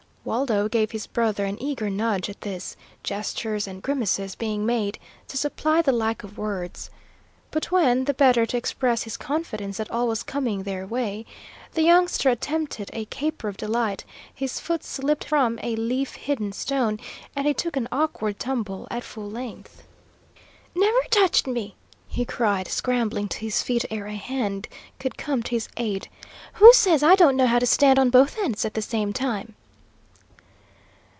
Waldo gave his brother an eager nudge at this, gestures and grimaces being made to supply the lack of words. But when, the better to express his confidence that all was coming their way, the youngster attempted a caper of delight, his foot slipped from a leaf hidden stone, and he took an awkward tumble at full length. "Never touched me!" he cried, scrambling to his feet ere a hand could come to his aid. "Who says I don't know how to stand on both ends at the same time?"